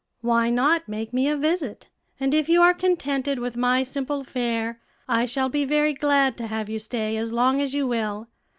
"Why not make me a visit? and if you are contented with my simple fare, I shall be very glad to have you stay as long as you will.